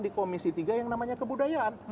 di komisi tiga yang namanya kebudayaan